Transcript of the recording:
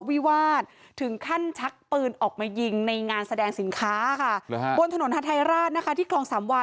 วิวาสถึงขั้นชักปืนออกมายิงในงานแสดงสินค้าค่ะบนถนนฮาไทยราชนะคะที่คลองสามวา